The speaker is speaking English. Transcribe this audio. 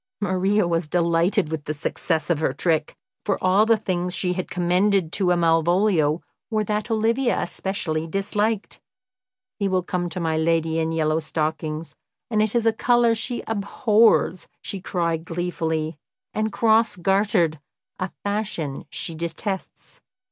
Maria was delighted with the success of her trick, for all the things she had commended to Malvolio were what Olivia especially disliked. "He will come to my lady in yellow stockings, and it is a colour she abhors," she cried gleefully; "and cross gartered, a fashion she detests.